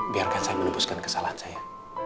biar saya menembuskan kesalahan saya